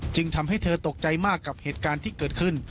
ทำให้เธอตกใจมากกับเหตุการณ์ที่เกิดขึ้น